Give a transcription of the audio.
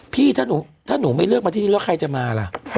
พี่ถ้าหนูไม่เลือกมาที่นี่แล้วใครจะมาล่ะ